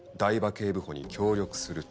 警部補に協力すると。